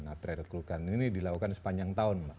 nah bukan aprekrutan ini dilakukan sepanjang tahun mbak